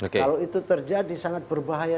kalau itu terjadi sangat berbahaya